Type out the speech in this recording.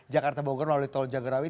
jakarta bogor melalui tol jagorawi